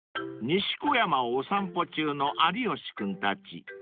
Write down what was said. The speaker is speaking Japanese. ［西小山をお散歩中の有吉君たち］